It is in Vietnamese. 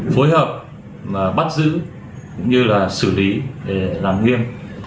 phối hợp bắt giữ cũng như là xử lý để làm nghiêm